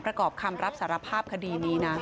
ประกอบคำรับสารภาพคดีนี้นะ